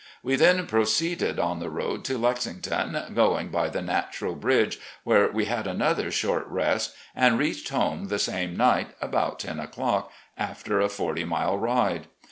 We then proceeded on the road to Lexington, going by the Natural Bridge, where we had another short rest, and reached home the same night, about ten o'clock, after a forty mile ride.